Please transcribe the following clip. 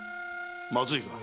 まずいか？